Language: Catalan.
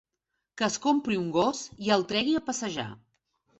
Que es compri un gos i el tregui a passejar.